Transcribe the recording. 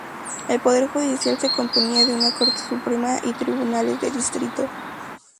El poder judicial se componía de una Corte Suprema y Tribunales de Distrito.